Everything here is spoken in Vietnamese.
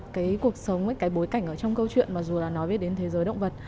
cái cuộc sống ấy cái bối cảnh ở trong câu chuyện mà dù là nó viết đến thế giới động vật